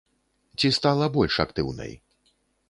Ці стала больш актыўнай?